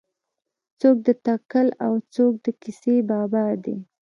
څوک د تکل او څوک د کیسې بابا دی.